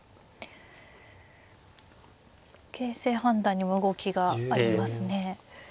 形勢判断にも動きがありますね。